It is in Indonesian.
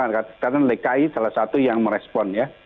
karena lki salah satu yang merespon ya